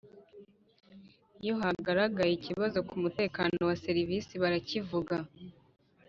Iyo hagaragara ikibazo ku mutekano wa serivisi barakivuga.